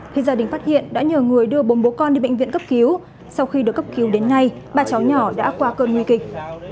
khi gia đình phát hiện đã nhờ người đưa bốn bố con đi bệnh viện cấp cứu sau khi được cấp cứu đến nay ba cháu nhỏ đã qua cơn nguy kịch